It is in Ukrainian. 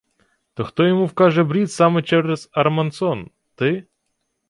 — То хто йому вкаже брід саме через Армансон? Ти?